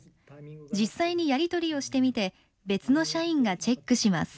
実際にやり取りをしてみて別の社員がチェックします。